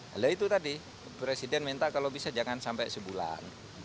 lalu itu tadi presiden minta kalau bisa jangan sampai satu bulan